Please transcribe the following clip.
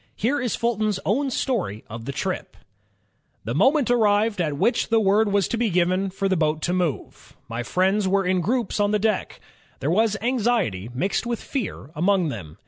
Here is Fulton's own story of the trip: "The moment arrived at which the word was to be given for the boat to move. My friends were in groups on the deck. There was anxiety mixed with fear among them.